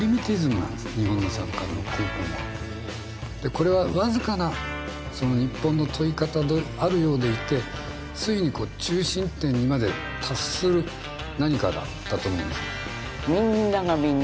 これは僅かなその日本の問い方であるようでいてついにこう中心点にまで達する何かだったと思うんですよ。